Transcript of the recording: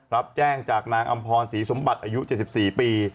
รับแจ้งจากนางอำพรศรีสมบัติอายุ๗๔ปี